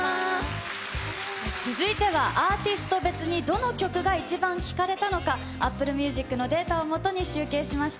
続いてはアーティスト別に、どの曲がイチバン聴かれたのか、アップルミュージックのデータを基に集計しました。